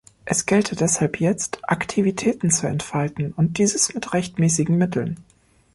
Es gelte deshalb jetzt, Aktivitäten zu entfalten und dieses mit rechtmäßigen Mitteln.